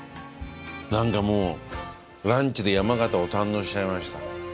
なんかもうランチで山形を堪能しちゃいました。